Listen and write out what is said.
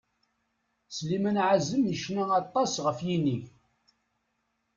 Sliman Azem yecna aṭas ɣef yinig.